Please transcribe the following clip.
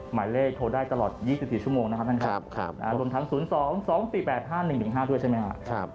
หมายเลขโทรได้ตลอด๒๐สิบชั่วโมงทาง๐๒๒๘๕๑๑๕ใช่มั๊ยครับ